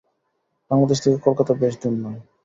বাংলাদেশ থেকে কলকাতা বেশি দূর নয়।